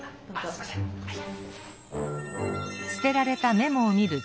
すみませんはい。